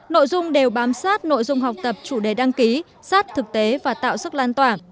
nội dung đều bám sát nội dung học tập chủ đề đăng ký sát thực tế và tạo sức lan tỏa